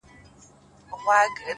نسه نه وو نېمچه وو ستا د درد په درد ـ